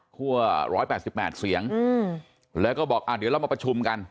๑๘๘เสียงแล้วก็บอกเดี๋ยวเรามาประชุมกัน